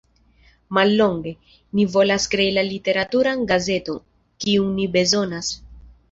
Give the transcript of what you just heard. Mallonge: ni volas krei la literaturan gazeton, kiun ni bezonas.